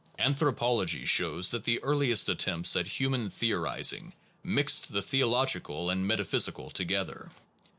Anthropology shows that the earliest attempts at human theorizing mixed the theological and metaphysical together.